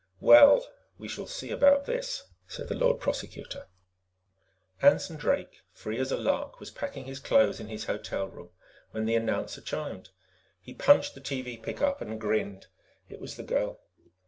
"Well! We shall see about this!" said the Lord Prosecutor. Anson Drake, free as a lark, was packing his clothes in his hotel room when the announcer chimed. He punched the TV pickup and grinned. It was the girl.